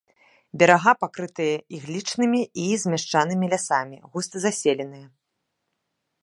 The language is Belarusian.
Берага пакрытыя іглічнымі і змяшанымі лясамі, густа заселеныя.